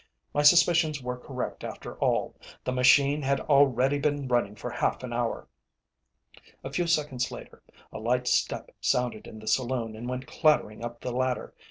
My suspicions were correct after all. The machine had already been running for half an hour. A few seconds later a light step sounded in the saloon and went clattering up the ladder.